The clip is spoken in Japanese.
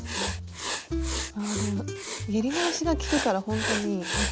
あでもやり直しがきくからほんとにいい。